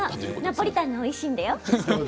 ナポリタンがおいしいんだよ。